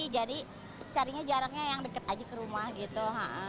jadi carinya jaraknya yang deket aja ke rumah gitu